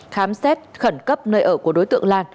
khám xét khẩn cấp nơi ở của đối tượng lan